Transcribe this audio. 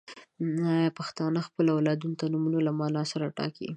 • پښتانه خپل اولاد ته نومونه له معنا سره ټاکي.